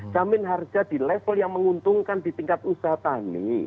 jamin harga di level yang menguntungkan di tingkat usaha tani